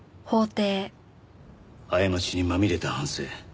「過ちにまみれた半生」。